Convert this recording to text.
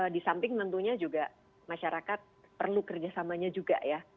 di samping tentunya juga masyarakat perlu kerjasamanya juga ya